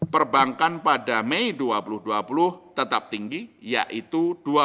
perbankan pada mei dua ribu dua puluh tetap tinggi yaitu dua puluh